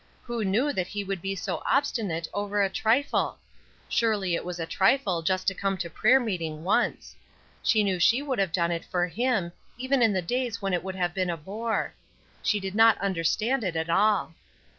Who knew that he could be so obstinate over a trifle? Surely it was a trifle just to come to prayer meeting once! She knew she would have done it for him, even in the days when it would have been a bore. She did not understand it at all.